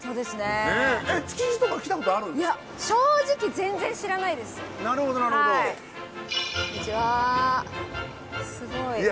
すごい。